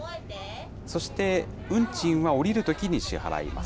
そして運賃は降りるときに支払います。